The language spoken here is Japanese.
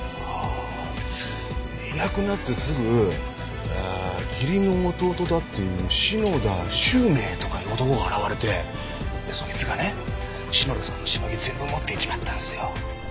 いなくなってすぐ義理の弟だっていう篠田周明とかいう男が現れてそいつがね篠田さんのシノギ全部持っていっちまったんですよ。